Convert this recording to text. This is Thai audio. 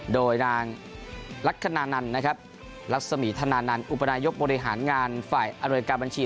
โดยนางลักษมีธนานันต์อุปนาหยบบริหารงานฝ่ายอันโนยกาบัญชี